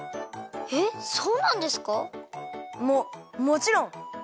えっそうなんですか？ももちろん！